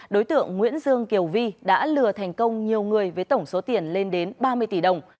đối tượng nguyễn dương kiều vi đã lừa thành công nhiều người với tổng số tiền lên đến ba mươi tỷ đồng